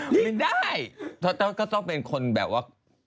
ไม่ได้ก็ต้องเป็นคนแบบว่า